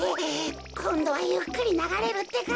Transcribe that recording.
こんどはゆっくりながれるってか。